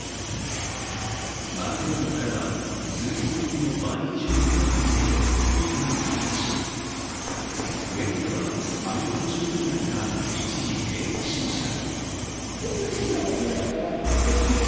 マンホールからは、通行人の倍以上の高さまで水が噴き出し上野ではアメ横商店街が一時、停電しました。